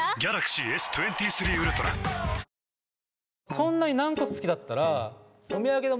そんなに軟骨好きだったら。